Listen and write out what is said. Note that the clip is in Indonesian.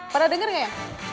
pernah dengar gak ya